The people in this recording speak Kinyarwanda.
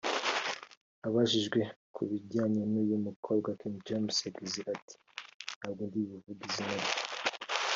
Abajijwe kubijyanye n’uyu mukobwa King James yagize ati “Ntabwo ndi buvuge izina rye